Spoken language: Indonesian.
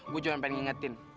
gue cuma pengen ngingetin